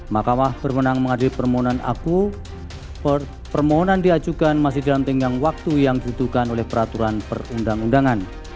makamah berwenang mengadil permohonan aku permohonan diajukan masih dalam tenggang waktu yang dibutuhkan oleh peraturan perundang undangan